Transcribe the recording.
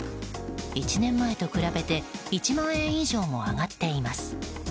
１年前と比べて１万円以上も上がっています。